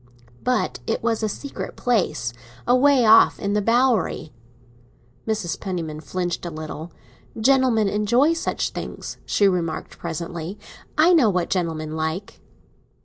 "But it was a secret place—away off in the Bowery." Mrs. Penniman flinched a little. "Gentlemen enjoy such things," she remarked presently. "I know what gentlemen like."